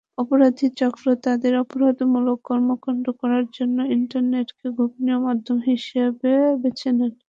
অপরাধী চক্র তাদের অপরাধমূলক কর্মকাণ্ড করার জন্য ইন্টারনেটকে গোপনীয় মাধ্যম হিসেবে বেছে নেয়।